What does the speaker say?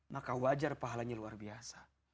maka wajar pahalanya luar biasa